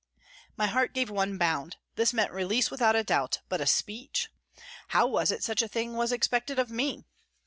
My heart gave one bound. This meant release without a doubt, but a speech ! How was it such a thing was expected of me